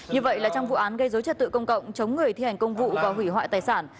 như vậy là trong vụ án gây dối trật tự công cộng chống người thi hành công vụ và hủy hoại tài sản